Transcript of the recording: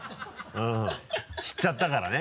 うん知っちゃったからね